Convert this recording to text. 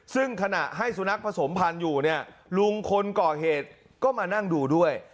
ซึ่งขณะให้สุนัขผสมพันธุ์อยู่เนี่ยลุงคนก่อเหตุก็มานั่งดูด้วย